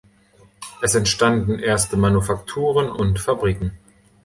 Es entstanden erste Manufakturen und Fabriken.